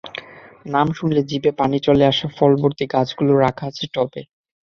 নাম শুনলে জিভে পানি চলে আসা ফলভর্তি গাছগুলো রাখা আছে টবে।